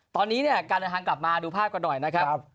ตอนนี้เนี่ยการเดินทางกลับมาดูภาพกันหน่อยนะครับ